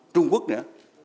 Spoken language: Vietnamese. trung quốc nữa